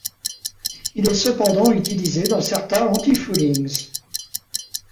Il est cependant utilisé dans certains antifoulings.